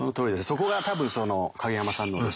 そこが多分その影山さんのですね